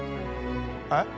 えっ？